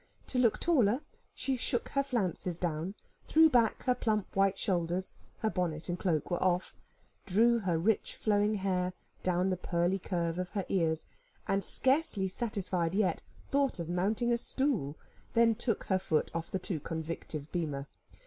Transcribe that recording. To look taller, she shook her flounces down, threw back her plump white shoulders her bonnet and cloak were off drew her rich flowing hair down the pearly curve of her ears and, scarcely satisfied yet, thought of mounting a stool, then took her foot off the too convictive bema.